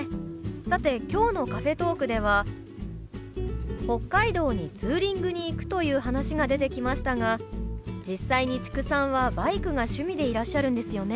さて今日のカフェトークでは北海道にツーリングに行くという話が出てきましたが実際に知久さんはバイクが趣味でいらっしゃるんですよね？